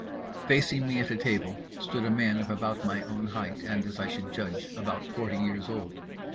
Facing me at a table stood a man of about my own height, and, as I should judge, about forty years old.